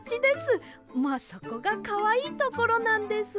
まあそこがかわいいところなんですが。